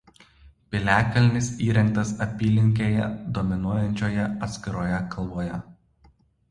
Piliakalnis įrengtas apylinkėje dominuojančioje atskiroje kalvoje.